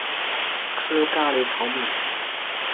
吃咖哩烤饼